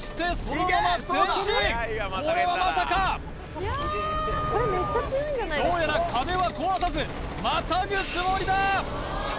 これはまさかどうやら壁は壊さずまたぐつもりだー！